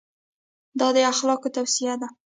دا د اخلاقو توصیه ده.